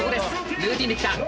ルーティーンで来た。